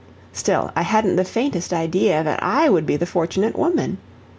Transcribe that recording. Still, I hadn't the faintest idea that I would be the fortunate woman.